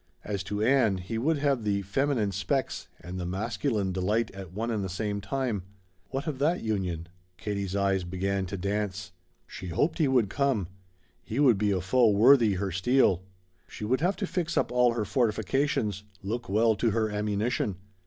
As to Ann, he would have the feminine "specs" and the masculine delight at one and the same time. What of that union? Katie's eyes began to dance. She hoped he would come. He would be a foe worthy her steel. She would have to fix up all her fortifications look well to her ammunition.